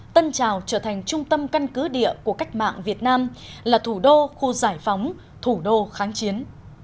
tân trào trở thành trung tâm căn cứ địa của cách mạng việt nam là thủ đô khu giải phóng thủ đô kháng chiến